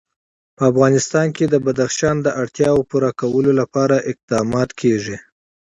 په افغانستان کې د بدخشان د اړتیاوو پوره کولو لپاره اقدامات کېږي.